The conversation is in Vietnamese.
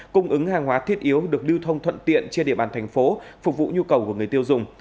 cung ứng hàng hóa thiết yếu được lưu thông thuận tiện trên địa bàn thành phố phục vụ nhu cầu của người tiêu dùng